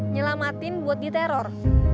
nyelamatin buat di teror